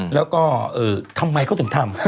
แล้วก็ทำไมเขาถึงทำ